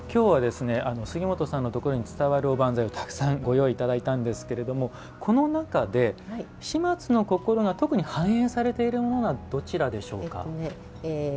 今日は杉本さんのところに伝わるおばんざいをたくさんご用意いただいたんですがこの中で始末の心が特に反映されているものはどちらでしょうか？